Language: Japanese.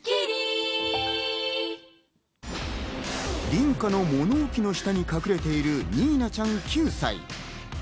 隣家の物置の下に隠れているニーナちゃん９歳。